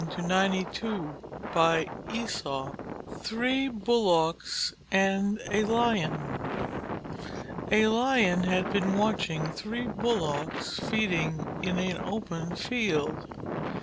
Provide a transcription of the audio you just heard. _ THREE BULLOCKS AND A LION A Lion had been watching three Bullocks feeding in an open field.